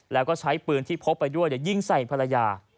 แล้วก็ใช้ปืนที่พกไปด้วยยิงใส่ภรรยา